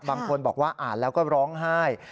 บางคนบอกว่าอ่านแล้วก็ร้องไห้